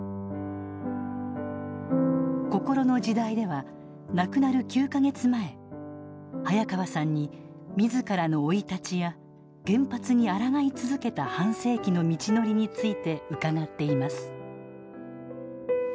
「こころの時代」では亡くなる９か月前早川さんに自らの生い立ちや原発に抗い続けた半世紀の道のりについて伺っています。